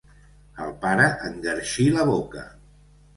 El pare enguerxí la boca.